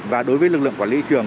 và đối với lực lượng quản lý trường